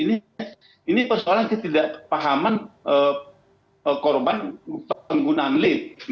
ini persoalan ketidakpahaman korban penggunaan lift